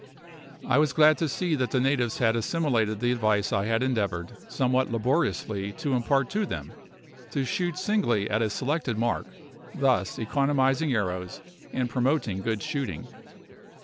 I was glad to see that the natives had assimilated the advice I had endeavoured, somewhat laboriously, to impart to them, to shoot singly at a selected mark, thus economising arrows, and promoting good shooting.